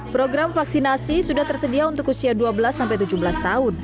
program vaksinasi sudah tersedia untuk usia dua belas sampai tujuh belas tahun